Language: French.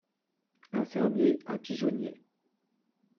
Un fermier , à pigeonnier.